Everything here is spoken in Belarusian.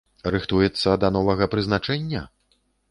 Рыхтуецца да новага прызначэння?